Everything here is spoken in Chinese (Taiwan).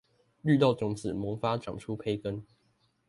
綠豆種子萌發長出胚根